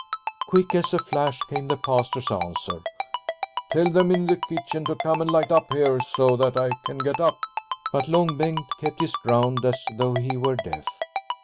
Quick as a flash came the Pastor's answer :" Tell them in the kitchen to come and light up here so that I can get up !" But Long Bengt kept his ground as though he were deaf.